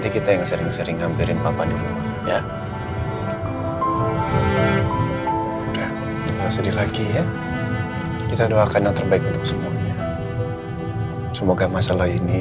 kamu harus cobain